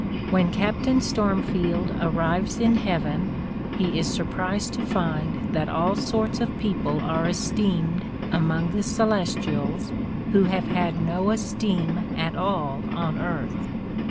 When Captain Stormfield arrives in heaven, he is surprised to find that all sort^ of people are esteemed among the celestials who have had no esteem at all on earth.